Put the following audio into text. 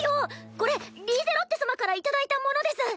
これリーゼロッテ様から頂いたものです。